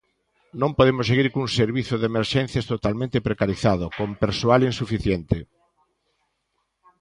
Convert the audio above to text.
Non podemos seguir cun servizo de emerxencias totalmente precarizado, con persoal insuficiente.